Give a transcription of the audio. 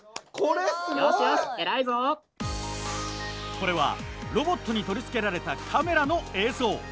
これはロボットに取り付けられたカメラの映像。